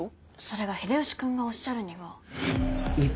それが秀吉君がおっしゃるには。